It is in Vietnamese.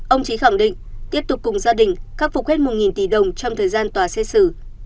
ông trí khẳng định tiếp tục cùng gia đình khắc phục hết một tỷ đồng trong thời gian tòa xét xử